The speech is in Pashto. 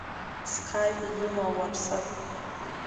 سکایپ، زوم او واټساپ